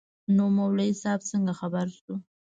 نو مولوي صاحب څنگه خبر سو.